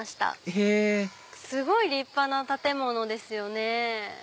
へぇすごい立派な建物ですよね。